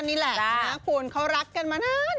นี่แหละนะคุณเขารักกันมานาน